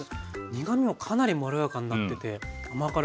苦みもかなりまろやかになってて甘辛くて。